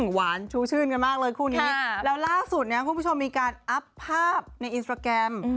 หวานชูชื่นกันมากเลยคู่นี้แล้วล่าสุดเนี่ยคุณผู้ชมมีการอัพภาพในอินสตราแกรม